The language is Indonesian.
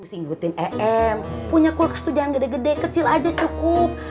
singgutin em punya kulkas tuh jangan gede gede kecil aja cukup